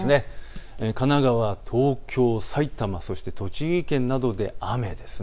神奈川、東京、埼玉、そして栃木県などで雨です。